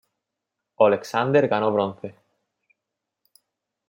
Oleksandr ganó bronce.